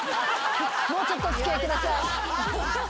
もうちょっとお付き合いください。